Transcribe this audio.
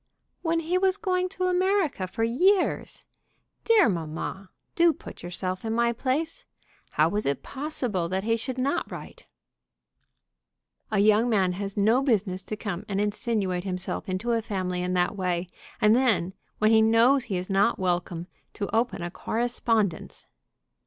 "When he was going to America for years! Dear mamma, do put yourself in my place. How was it possible that he should not write?" "A young man has no business to come and insinuate himself into a family in that way; and then, when he knows he is not welcome, to open a correspondence."